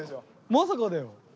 まさかだよ！